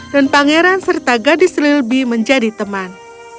dan pangeran serta gadis lilby menjadi teman